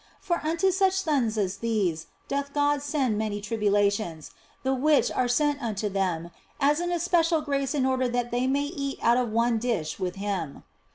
For unto such sons as these doth God send many tribulations, the which are sent unto them as an especial grace in order that they may eat out of one dish with Him.